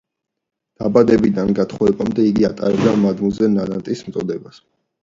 დაბადებიდან გათხოვებამდე, იგი ატარებდა მადმუაზელ ნანტის წოდებას.